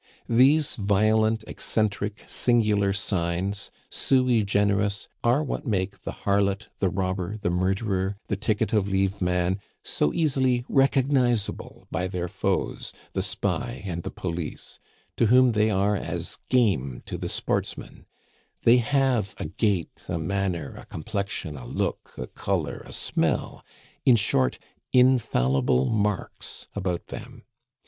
These violent, eccentric, singular signs sui generis are what make the harlot, the robber, the murderer, the ticket of leave man, so easily recognizable by their foes, the spy and the police, to whom they are as game to the sportsman: they have a gait, a manner, a complexion, a look, a color, a smell in short, infallible marks about them.